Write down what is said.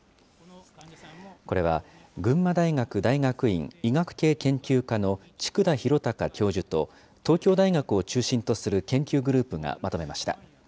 これは群馬大学大学院医学系研究科の筑田博隆教授と、東京大学を中心とする研究グループがまとめました。